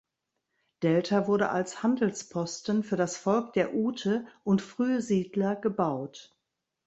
Delta wurde als Handelsposten für das Volk der Ute und frühe Siedler gebaut.